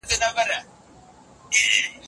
دا د اسلامي نظام ډير ښه خصوصيت دی.